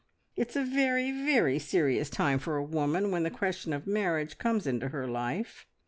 ... It's a very, very serious time for a woman when the question of marriage comes into her life.